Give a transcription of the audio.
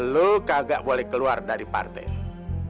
lo kagak boleh keluar dari partai